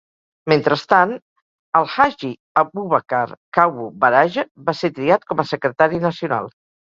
Mentrestant, Alhaji Abubakar Kawu Baraje va ser triat com a Secretari Nacional.